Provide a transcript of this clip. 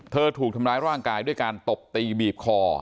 ถูกทำร้ายร่างกายด้วยการตบตีบีบคอ